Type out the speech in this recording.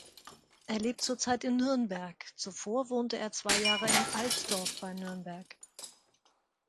Er lebt zurzeit in Nürnberg, zuvor wohnte er zwei Jahre in Altdorf bei Nürnberg.